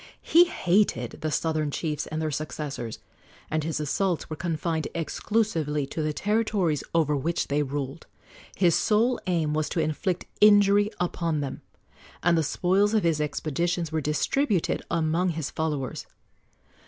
He hated the southern chiefs and their successors, and his assaults were confined exclusively to the territories over which they ruled. His sole aim was to inflict injury upon them, and the spoils of his expeditions were distributed among his followers.